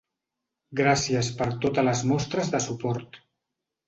Gràcies per totes les mostres de suport.